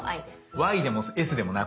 「Ｙ」でも「Ｓ」でもなく。